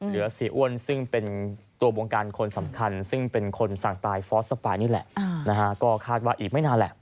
เสียอ้วนซึ่งเป็นตัววงการคนสำคัญซึ่งเป็นคนสั่งตายฟอสสปายนี่แหละนะฮะก็คาดว่าอีกไม่นานแหละ